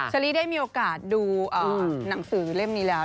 อรี่ได้มีโอกาสดูหนังสือเล่มนี้แล้ว